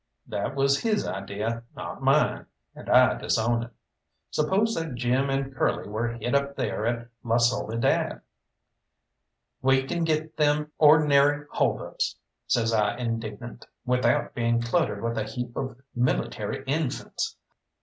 That was his idea, not mine, and I disown it. Suppose that Jim and Curly were hid up there at La Soledad? "We can get them or'nary hold ups," says I indignant, "without being cluttered with a heap of military infants.